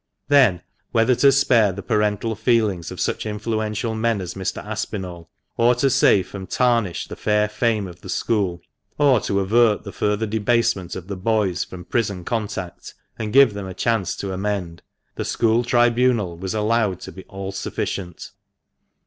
Then, whether to spare the parental feelings of such influential men as Mr. Aspinall, or to save from tarnish the fair fame of the school, or to avert the further debasement of the boys from prison contact, and give them a chance to amend, the school tribunal was allowed to be all sufficient.